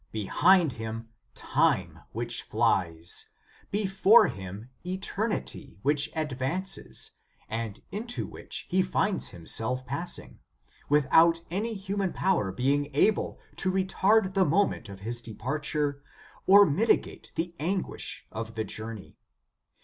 Behind him, time, which flies; before him, eternity, which advances, and into which he finds himself passing, with out any human power being able to retard the moment of his departure, or mitigate the anguish of the journey.